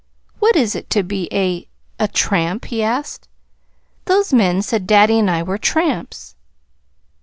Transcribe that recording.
"What is it to be a a tramp?" he asked. "Those men said daddy and I were tramps."